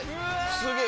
すげえ。